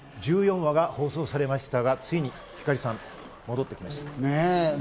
１４話が放送されましたがついに光莉さんが戻ってきました。